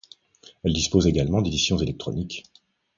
Elle dispose également d'éditions électroniques.